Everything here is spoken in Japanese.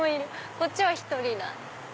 こっちは１人だ。